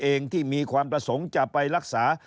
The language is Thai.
เองที่มีความประสงค์จะไปรักษา